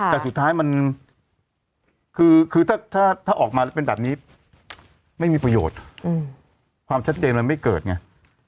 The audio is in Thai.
แต่สุดท้ายมันคือถ้าออกมาแล้วเป็นแบบนี้ไม่มีประโยชน์ความชัดเจนมันไม่เกิดไง